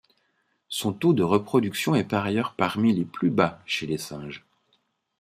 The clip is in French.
Son taux de reproduction est par ailleurs parmi les plus bas chez les singes.